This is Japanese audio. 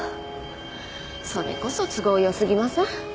それこそ都合よすぎません？